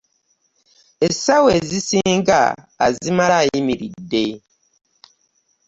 Essaawa ezisinga azimala ayimiridde.